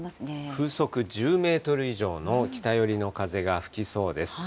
風速１０メートル以上の北寄りの風が吹きそうです。